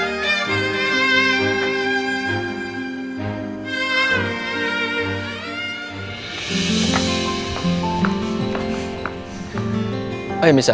tunggu sebentar nanti aku pindah